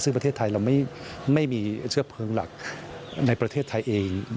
ซึ่งประเทศไทยเราไม่มีเชื้อเพลิงหลักในประเทศไทยเอง